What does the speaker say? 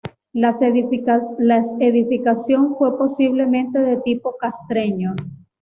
Las edificación fue posiblemente de tipo castreño.